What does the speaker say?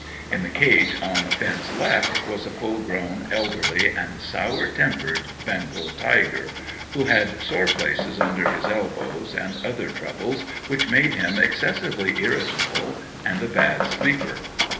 In the cage on Finn's left was a full grown, elderly, and sour tempered Bengal tiger, who had sore places under his elbows, and other troubles which made him excessively irritable, and a bad sleeper.